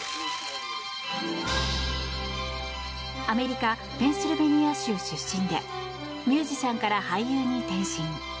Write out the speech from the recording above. アメリカペンシルベニア州出身でミュージシャンから俳優に転身。